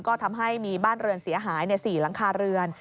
ก็ทำให้มีบ้านเรือนเสียหาย๔หลังคาเรือน